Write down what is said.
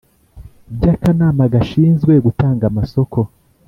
by akanama gashinzwe gutanga amasoko